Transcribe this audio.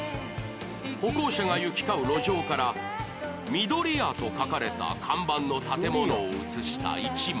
歩行者が行き交う路上からミドリヤと書かれた看板の建物を写した１枚